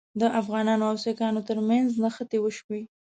د افغانانو او سیکهانو ترمنځ نښتې وشوې.